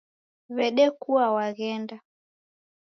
W'edekua waghenda